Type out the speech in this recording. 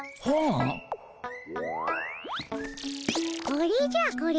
これじゃこれ。